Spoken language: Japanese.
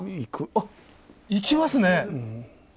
あっ、いきますね。